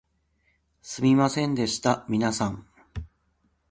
すみませんでした皆さん